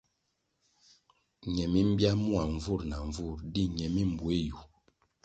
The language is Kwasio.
Ñe mi mbya mua nvur na nvur di ñe mbueh yu.